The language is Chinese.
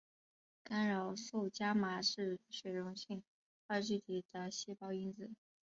干扰素伽玛是水溶性二聚体的细胞因子。